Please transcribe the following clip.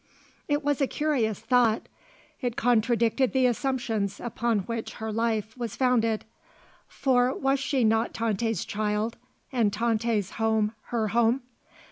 It was a curious thought. It contradicted the assumptions upon which her life was founded; for was she not Tante's child and Tante's home her home?